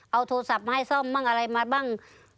เอาโทรศัพท์มาให้ซ่อมบ้างอะไรมาบ้าง